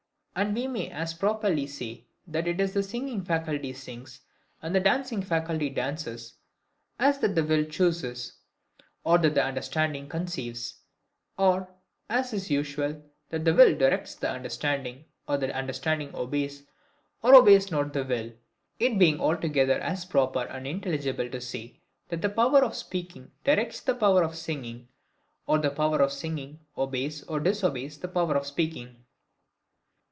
And we may as properly say that it is the singing faculty sings, and the dancing faculty dances, as that the will chooses, or that the understanding conceives; or, as is usual, that the will directs the understanding, or the understanding obeys or obeys not the will: it being altogether as proper and intelligible to say that the power of speaking directs the power of singing, or the power of singing obeys or disobeys the power of speaking.